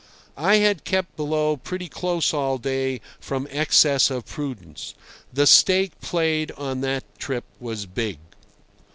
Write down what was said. I had kept below pretty close all day from excess of prudence. The stake played on that trip was big.